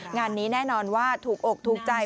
งานนี้แน่นอนว่าถูกอกถูกใจ